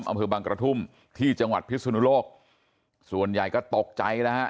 อำเภอบังกระทุ่มที่จังหวัดพิศนุโลกส่วนใหญ่ก็ตกใจนะฮะ